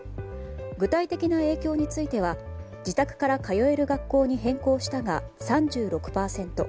具体的な影響については自宅から帰る学校に変更したが３６％。